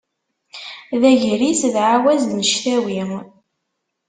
D agris d ɛawaz n ctawi.